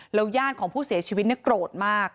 แล้วย่านของผู้เสียชีวิตน่ะโกรธมาก